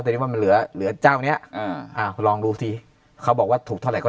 แต่ว่ามันเหลือเจ้าเนี่ยลองดูทีเขาบอกว่าถูกเท่าไหร่ก็